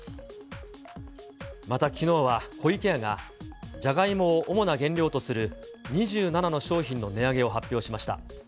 またきのうは、湖池屋が、じゃがいもを主な原料とする２７の商品の値上げを発表しました。